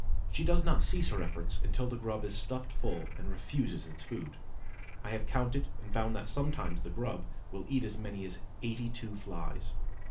She does not cease her efforts until the grub is stuffed full and refuses its food. I have counted and found that sometimes the grub will eat as many as eighty two Flies.